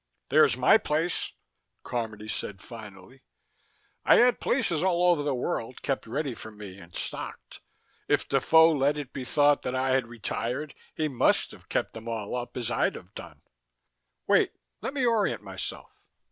"There's my place," Carmody said finally. "I had places all over the world, kept ready for me and stocked. If Defoe let it be thought that I had retired, he must have kept them all up as I'd have done. Wait, let me orient myself.